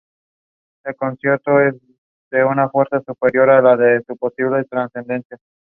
El concierto es de una fuerza superior a la de su posible trascendencia.